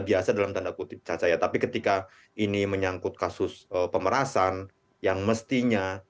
biasa dalam tanda kutip cacaya tapi ketika ini menyangkut kasus pemerasan yang mestinya